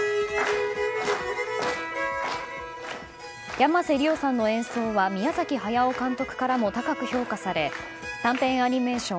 山瀬理桜さんの演奏は宮崎駿監督からも高く評価され短編アニメーション